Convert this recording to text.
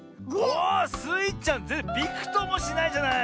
おスイちゃんびくともしないじゃない！